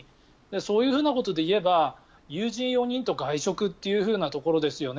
そういうことでいえば友人４人と外食というところですよね。